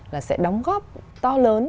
là sẽ đóng góp to lớn